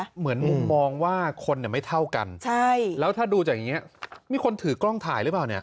เหมือนมุมมองว่าคนไม่เท่ากันใช่แล้วถ้าดูจากอย่างนี้มีคนถือกล้องถ่ายหรือเปล่าเนี่ย